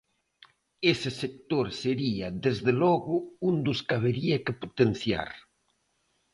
Ese sector sería, desde logo, un dos que habería que potenciar.